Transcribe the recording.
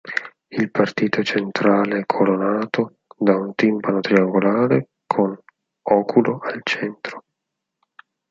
Il partito centrale è coronato da un timpano triangolare con oculo al centro.